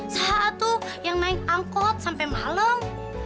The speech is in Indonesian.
saat itu yang naik angkot sampai malam